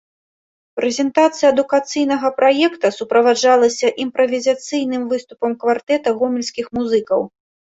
Прэзентацыя адукацыйнага праекта суправаджалася імправізацыйным выступам квартэта гомельскіх музыкаў.